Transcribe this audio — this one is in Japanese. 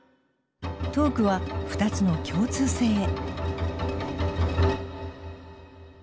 トークは２つの共通性へ。